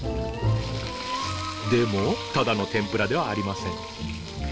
でもただの天ぷらではありません。